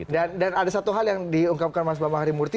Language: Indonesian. dan ada satu hal yang diungkapkan mas bama hari murti